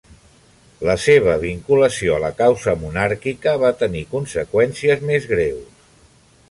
La seva vinculació a la causa monàrquica va tenir conseqüències més greus.